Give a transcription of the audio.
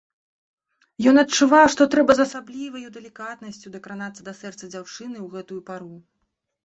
Ён адчуваў, што трэба з асабліваю далікатнасцю дакранацца да сэрца дзяўчыны ў гэтую пару.